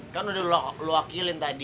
kan udah lu wakilin tadi